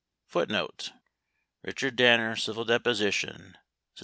85 Richard Danner civil deposition, Sept.